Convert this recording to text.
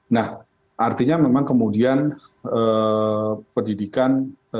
nah artinya memang kemudian pendidikan